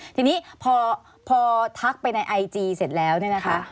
ทีนี้พอทักไปในไอจีเสร็จแล้วเนี่ยนะคะ